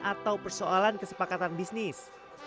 atau persoalan kesepakatan bisnis